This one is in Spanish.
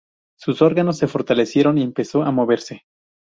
Sus órganos se fortalecieron y empezó a moverse.